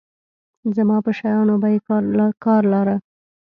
زما په شيانو به يې کار لاره.